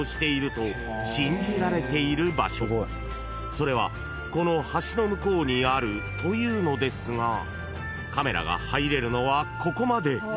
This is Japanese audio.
［それはこの橋の向こうにあるというのですがカメラが入れるのはここまで］